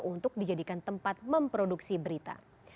untuk dijadikan tempat memproduksi berita